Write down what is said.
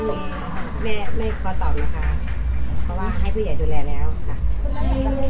ไม่ไม่พอตอบนะคะเพราะว่าให้ผู้ใหญ่ดูแลแล้วค่ะ